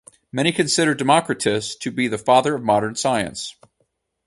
Many consider Democritus to be the "father of modern science".